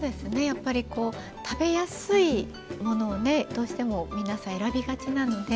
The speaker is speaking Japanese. やっぱりこう食べやすいものをねどうしても皆さん選びがちなので。